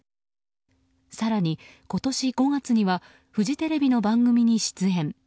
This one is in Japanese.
更に今年５月にはフジテレビの番組に出演。